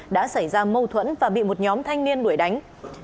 đã xảy ra mâu thuẫn và bị một nhóm thanh niên đuổi đánh